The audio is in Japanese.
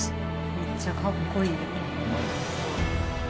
めっちゃかっこいい。